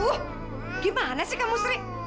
aduh gimana sih kak musri